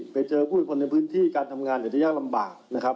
ไปเจอผู้คนในพื้นที่การทำงานเนี่ยจะยากลำบากนะครับ